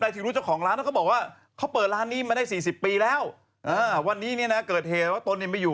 ต้อฟ้ามันมีอยู่